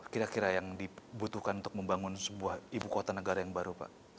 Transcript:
kira kira yang dibutuhkan untuk membangun sebuah ibu kota negara yang baru pak